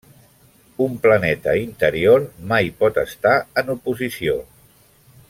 Un planeta interior mai pot estar en oposició.